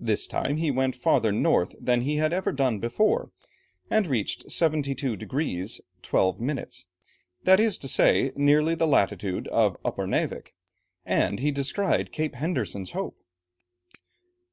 This time he went farther north than he had ever done before, and reached 72 degrees 12 minutes, that is to say, nearly the latitude of Upernavik, and he descried Cape Henderson's Hope.